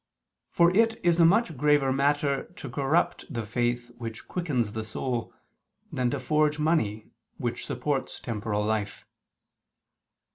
For it is a much graver matter to corrupt the faith which quickens the soul, than to forge money, which supports temporal life.